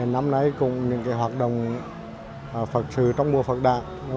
năm nay cùng những hoạt động phật trừ trong mùa phật đàn